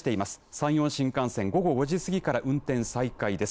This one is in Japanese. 山陽新幹線、午後５時すぎから運転再開です。